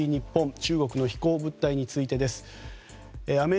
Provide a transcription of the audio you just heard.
中国の飛行物体についてです。